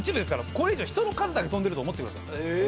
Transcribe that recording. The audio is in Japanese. これ以上人の数だけ飛んでると思ってください。